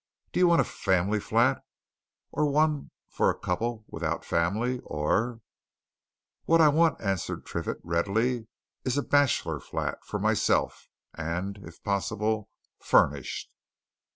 "Do you want a family flat, or one for a couple without family, or " "What I want," answered Triffitt readily, "is a bachelor flat for myself. And if possible furnished."